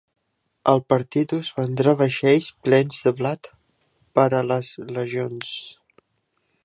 El partit us vendrà vaixells plens de blat per a les legions.